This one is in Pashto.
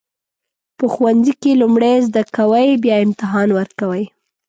په ښوونځي کې لومړی زده کوئ بیا امتحان ورکوئ.